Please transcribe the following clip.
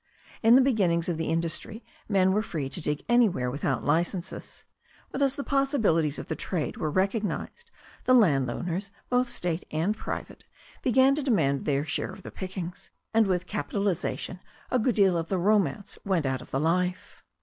In the beginnings of the industry men were free to dig anywhere without licences, but, as the possibilities of the trade were recognized, the landowners, both state and private, began to demand their share of the pickings, and with capitaliza tion a good deal of the romance went out of the life.